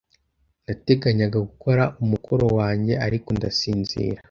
Nateganyaga gukora umukoro wanjye, ariko ndasinzira.